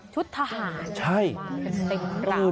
ชุดทหารมาเป็นเต็มราวมั้ยนะครับใช่